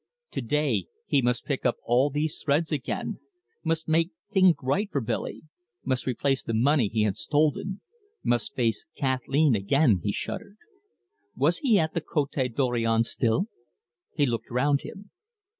To day he must pick up all these threads again, must make things right for Billy, must replace the money he had stolen, must face Kathleen again he shuddered. Was he at the Cote Dorion still? He looked round him.